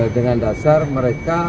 dengan dasar mereka